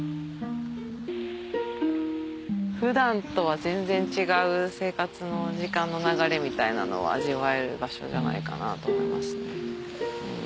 普段とは全然違う生活の時間の流れみたいなのを味わえる場所じゃないかなと思いますね。